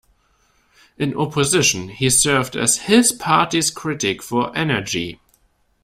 In opposition, he served as his party's critic for energy.